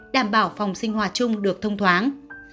đảm bảo phòng sinh hoạt chung được thông thoáng